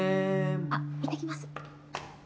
あっ行ってきます。